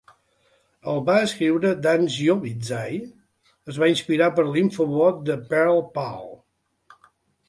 El va escriure Dan Shiovitz ai es va inspirar per l'infobot de Perl, Purl.